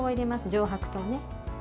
上白糖ね。